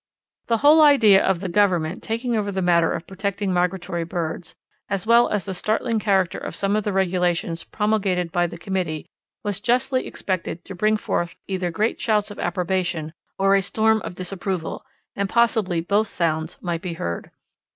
The whole idea of the Government taking over the matter of protecting migratory birds, as well as the startling character of some of the regulations promulgated by the committee was justly expected to bring forth either great shouts of approbation or a storm of disapproval, and possibly both sounds might be heard.